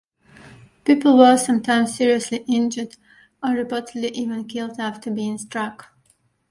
People were sometimes seriously injured or reportedly even killed after being struck.